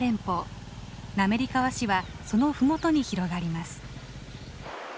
滑川市はその麓に広がります。